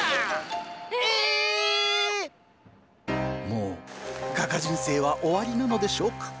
もう画家人生は終わりなのでしょうか。